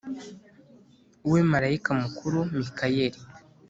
we marayika mukuru Mikayeli